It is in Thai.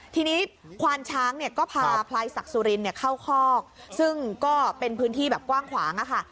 ทีนี้ควานช้างเนี่ยก็พาพลายศักดิ์สุรินเข้าคอกซึ่งก็เป็นพื้นที่แบบกว้างขวางอะค่ะ